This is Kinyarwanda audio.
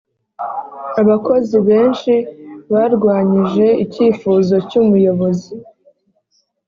abakozi benshi barwanyije icyifuzo cyumuyobozi.